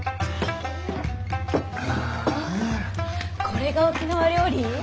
これが沖縄料理？